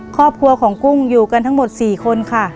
ครอบครัวของกุ้งอยู่กันทั้งหมด๔คนค่ะ